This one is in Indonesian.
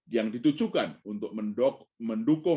yang ditujukan untuk mendukung